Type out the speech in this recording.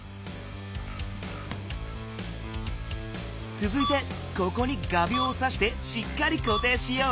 つづいてここに画びょうをさしてしっかりこていしよう。